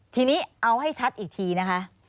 ทีนี้เอาให้ชัดอีกทีนะคะ